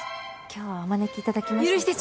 今日はお招きいただきまして。